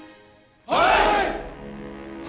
はい！